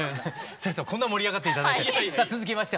先生こんな盛り上がって頂いて。